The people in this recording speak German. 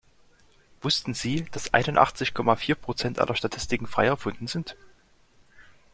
Wussten Sie, dass einundachtzig Komma vier Prozent aller Statistiken frei erfunden sind?